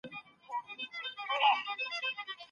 د رحیم لاړې د هغه له توندې خبرې سره مل وې.